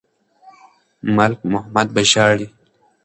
ملک محمد به ژاړي.